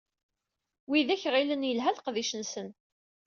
Widak ɣilen yelha leqdic-nsen.